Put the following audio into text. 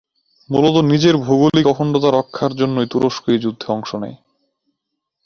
মূলত নিজের ভৌগোলিক অখণ্ডতা রক্ষার জন্যই তুরস্ক এ যুদ্ধে অংশ নেয়।